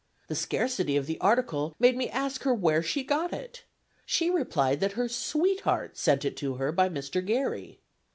The scarcity of the article made me ask her where she got it. She replied that her sweetheart sent it to her by Mr. Garry.